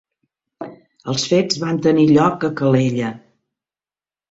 Els fets van tenir lloc a Calella